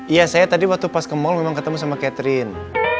iya saya tadi waktu pas ke mal memang ketemu sama catherine